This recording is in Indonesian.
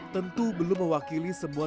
tentu belum mewakili semua